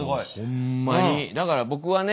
だから僕はね